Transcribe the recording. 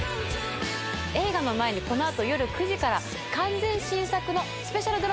映画の前にこのあと夜９時から完全新作のスペシャルドラマが放送されます。